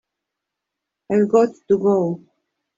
I've got to go.